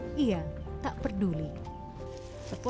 tapi kebanyakan perempuan asap membuat matanya sesekali pedih